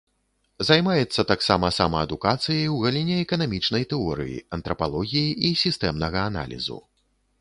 Займаецца таксама самаадукацыяй у галіне эканамічнай тэорыі, антрапалогіі і сістэмнага аналізу.